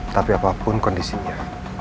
tapi apapun kondisinya